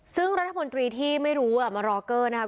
ซึ่งรัฐมนตรีที่ไม่รู้มารอเกอร์นะครับ